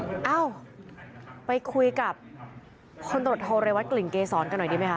เอ้าไปคุยกับพลตรวจโทเรวัตกลิ่นเกษรกันหน่อยดีไหมค